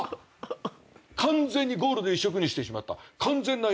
完全にゴールド一色にしてしまった。